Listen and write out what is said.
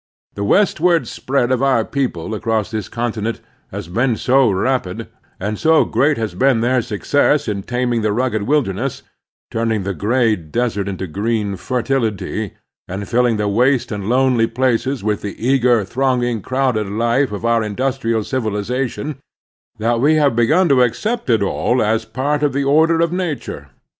The westward spread of our people across this continent has been so rapid, and so great has been their success in taming the rugged wilderness, turning the gray desert into green fer tility, and filling the waste and lonely places with the eager, thronging, crowded life of our industrial civilization, that we have begun to accept it all as part of the orderof nattu e.